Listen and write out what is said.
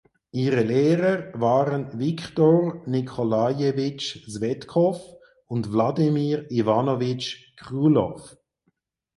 Ihre Lehrer waren Wiktor Nikolajewitsch Zwetkow und Wladimir Iwanowitsch Krylow.